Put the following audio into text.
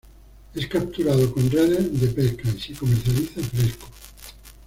Es capturado con redes de pesca y se comercializa fresco.